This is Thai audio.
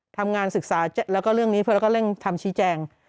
ทำงานศึกษาแล้วก็เรื่องนี้เพื่อแล้วก็เร่งทำชี้แจง